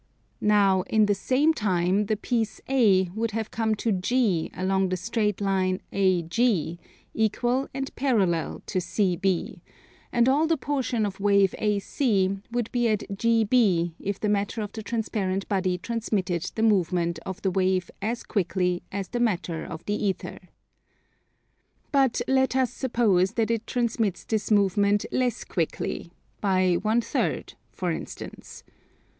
Now in the same time the piece A would have come to G along the straight line AG, equal and parallel to CB; and all the portion of wave AC would be at GB if the matter of the transparent body transmitted the movement of the wave as quickly as the matter of the Ether. But let us suppose that it transmits this movement less quickly, by one third, for instance.